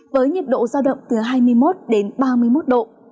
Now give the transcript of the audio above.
với nhiệt độ giao động từ hai mươi một đến ba mươi một độ